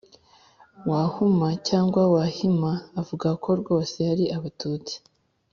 Wahuma cyangwa Wahima Avuga ko rwose hari Abatutsi